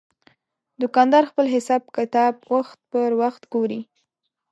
دوکاندار خپل حساب کتاب وخت پر وخت ګوري.